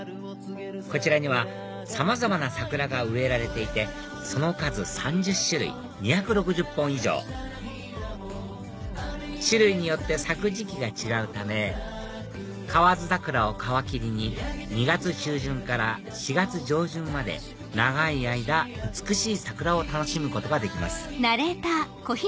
こちらにはさまざまな桜が植えられていてその数３０種類２６０本以上種類によって咲く時期が違うため河津桜を皮切りに２月中旬から４月上旬まで長い間美しい桜を楽しむことができます